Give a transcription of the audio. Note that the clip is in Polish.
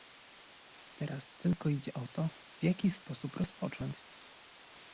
"Teraz tylko idzie o to, w jaki sposób rozpocząć?"